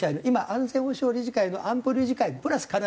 今安全保障理事会の安保理事会プラス